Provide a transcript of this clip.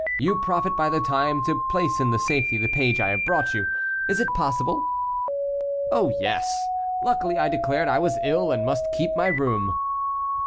You profit by the time to place in safety the page I have brought you; is it possible?" "Oh, yes; luckily I declared I was ill and must keep my room."